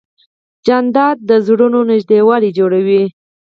جانداد د زړونو نږدېوالی جوړوي.